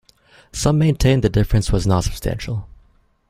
Some maintain the difference was not substantial.